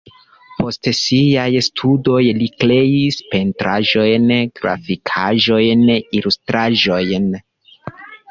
Post siaj studoj li kreis pentraĵojn, grafikaĵojn, ilustraĵojn.